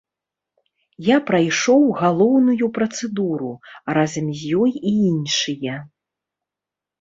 Я прайшоў галоўную працэдуру, а разам з ёй і іншыя.